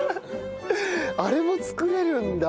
あれも作れるんだ。